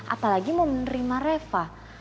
apalagi mau menerima reva